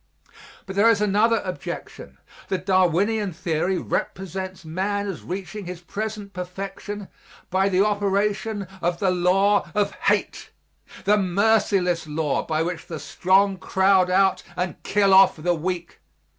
But there is another objection. The Darwinian theory represents man as reaching his present perfection by the operation of the law of hate the merciless law by which the strong crowd out and kill off the weak.